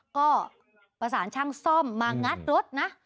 ก็ประสานช่างซ่อมมางัดรถนะ